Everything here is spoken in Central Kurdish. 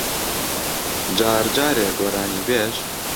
جار جارێ گۆرانیبێژ